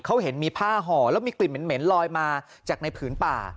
เขาเห็นมีผ้าห่อแล้วมีกลิ่นเหม็นลอยมาจากในผืนป่า